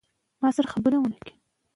اقلیمي بدلونونو وچکالي زیاته کړې ده.